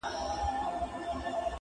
نه يې لاس و نه يې سترگه د زوى مړي!!